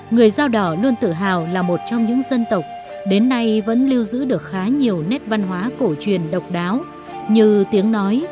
người dao đỏ luôn tự hào là một trong những dân tộc đến nay vẫn lưu giữ được khá nhiều nét văn hóa cổ truyền độc đáo như tiếng nói